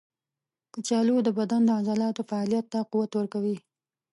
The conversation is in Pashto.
کچالو د بدن د عضلاتو فعالیت ته قوت ورکوي.